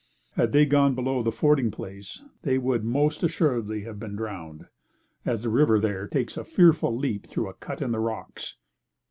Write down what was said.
Had they gone below the fording place, they would most assuredly have been drowned, as the river there takes a fearful leap through a cut in the rocks.